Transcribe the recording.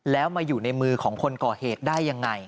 แล้วมาอยู่ในมือของคนก่อเหตุได้ยังไง